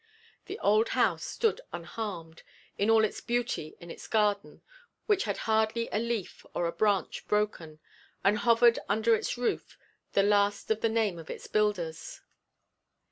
The old house stood unharmed in all its beauty in its garden which had hardly a leaf or a branch broken, and hovered under its roof the last of the name of its builders.